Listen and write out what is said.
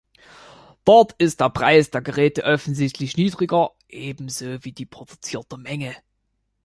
Dort ist der Preis der Geräte offensichtlich niedriger, ebenso wie die produzierte Menge.